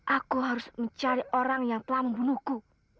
aku harus mencari orang yang telah membunuhku